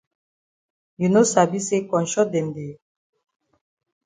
You no sabi say konshot dem dey?